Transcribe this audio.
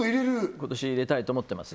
今年入れたいと思ってます